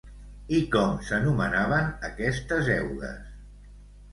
I com s'anomenaven aquestes eugues?